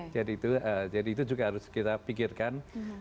jadi itu juga harus kita pikirkan